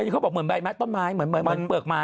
เขาบอกเหมือนใบไม้ต้นไม้เหมือนเปลือกไม้